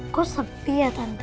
kok sepi ya tante